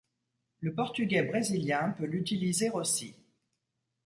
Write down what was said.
Le portugais brésilien peut l'utiliser aussi.